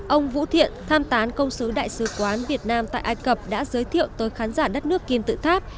ông vũ thiện tham tán công sứ đại sứ quán việt nam tại ai cập đã giới thiệu tới khán giả đất nước kim tự tháp